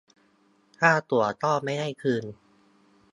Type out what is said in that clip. ค่าตั๋วก็ไม่ได้คืน